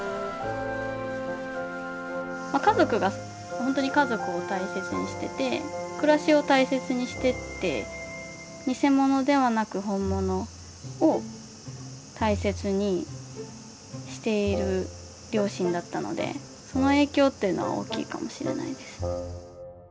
家族がほんとに家族を大切にしてて暮らしを大切にしてて偽物ではなく本物を大切にしている両親だったのでその影響っていうのは大きいかもしれないです。